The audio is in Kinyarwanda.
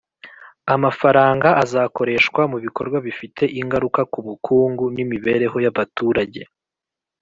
amafaranga azakoreshwa mu bikorwa bifite ingaruka ku bukungu n'imibereho y'abaturage